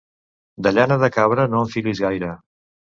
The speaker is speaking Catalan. De llana de cabra, no en filis gaire.